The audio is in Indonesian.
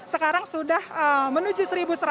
sekarang sudah menuju satu seratus